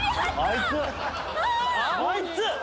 あいつ！